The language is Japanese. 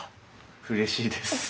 うれしいです。